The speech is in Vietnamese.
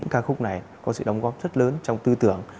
ca khúc này có sự đóng góp rất lớn trong tư tưởng